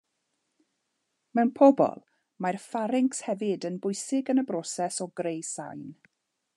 Mewn pobol, mae'r ffaryncs hefyd yn bwysig yn y broses o greu sain.